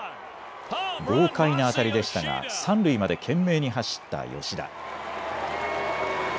豪快な当たりでしたが三塁まで懸命に走った吉田。